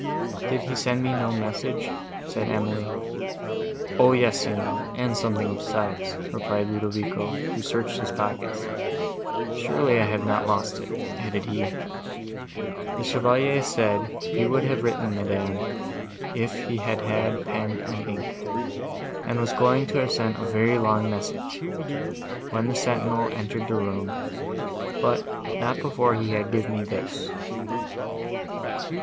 "Did he send me no message?" said Emily. "O yes, Signora, and something besides," replied Ludovico, who searched his pockets. "Surely, I have not lost it," added he. "The Chevalier said, he would have written, madam, if he had had pen and ink, and was going to have sent a very long message, when the sentinel entered the room, but not before he had give me this."